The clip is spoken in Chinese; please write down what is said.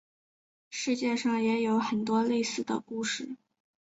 世界上也有很多类似的故事。